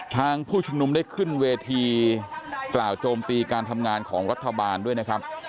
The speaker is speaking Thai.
ผู้ชุมนุมได้ขึ้นเวทีกล่าวโจมตีการทำงานของรัฐบาลด้วยนะครับ